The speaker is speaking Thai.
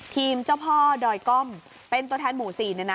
เจ้าพ่อดอยก้อมเป็นตัวแทนหมู่๔เนี่ยนะ